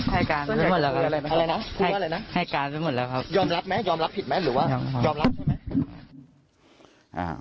ให้การไปหมดแล้วครับยอมรับไหมยอมรับผิดไหมหรือว่ายอมรับใช่ไหม